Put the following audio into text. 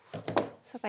そっか。